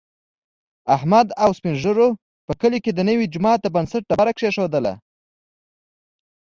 احمد او سپین ږېرو په کلي کې د نوي جوما د بنسټ ډبره کېښودله.